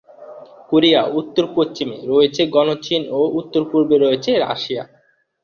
Korea উত্তর-পশ্চিমে রয়েছে গণচীন ও উত্তর-পূর্বে রয়েছে রাশিয়া।